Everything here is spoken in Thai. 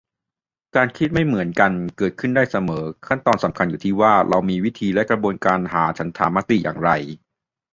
การคิดไม่เหมือนกันเกิดขึ้นได้เสมอ ขั้นตอนสำคัญอยู่ที่ว่า เรามีวิธีและกระบวนการหาฉันทามติอย่างไร